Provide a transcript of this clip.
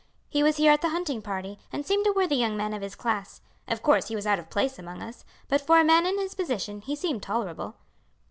"He was here at the hunting party and seemed a worthy young man of his class. Of course he was out of place among us, but for a man in his position he seemed tolerable."